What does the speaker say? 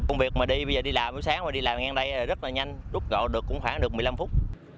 công việc mà đi bây giờ đi làm sáng mà đi làm ngang đây là rất là nhanh rút gọi được cũng khoảng được một mươi năm phút